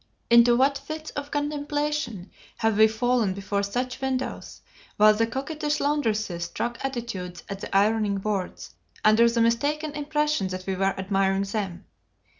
Into what fits of contemplation have we fallen before such windows, while the coquettish laundresses struck attitudes at the ironing boards, under the mistaken impression that we were admiring them."